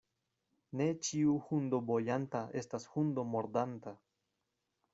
Ne ĉiu hundo bojanta estas hundo mordanta.